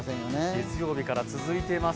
月曜日から続いています。